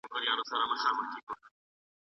دې زوڼي تېغ وهلی و .